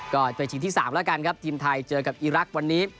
ก็เจอทีมที่๓แล้วกันครับทีมไทยเจอกับอีรักษ์วันนี้